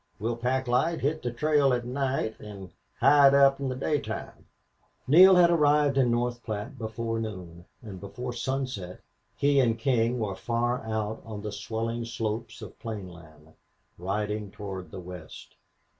We'll pack light, hit the trail at night, an' hide up in the daytime." Neale had arrived in North Platte before noon, and before sunset he and King were far out on the swelling slopes of plainland, riding toward the west.